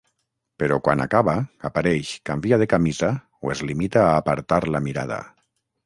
Però quan acaba, apareix, canvia de camisa o es limita a apartar la mirada.